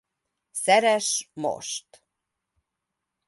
Szeress most!